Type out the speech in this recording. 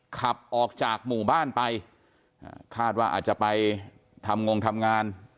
ขับออกจากหมู่บ้านไปคาดว่าอาจจะไปทำงงทำงาน